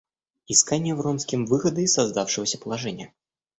Искание Вронским выхода из создавшегося положения.